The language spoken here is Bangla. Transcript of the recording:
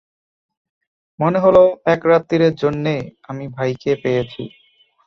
মনে হল এক রাত্তিরের জন্যে আমি ভাইকে পেয়েছি।